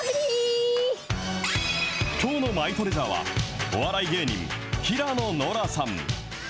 きょうのマイトレジャーは、お笑い芸人、平野ノラさん。